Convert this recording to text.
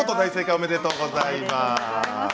おめでとうございます。